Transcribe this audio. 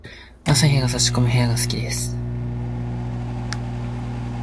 朝日が差し込む部屋が好きです。